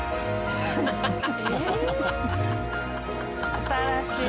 新しい！